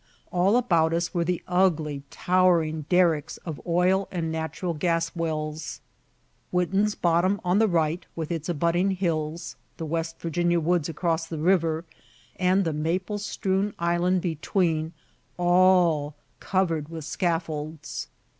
All about us were the ugly, towering derricks of oil and natural gas wells Witten's Bottom on the right, with its abutting hills; the West Virginia woods across the river, and the maple strewn island between, all covered with scaffolds.